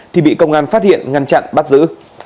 thì bị công an phát hiện ngăn chặn bắt giữ